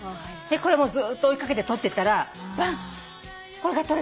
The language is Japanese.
これもずっと追い掛けて撮ってたらこれが撮れて。